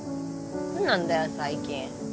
何なんだよ最近。